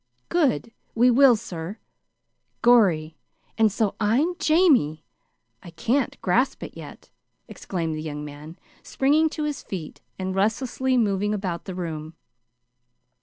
"Good! We will, sir. Gorry! And so I'm Jamie! I can't grasp it yet!" exclaimed the young man, springing to his feet, and restlessly moving about the room.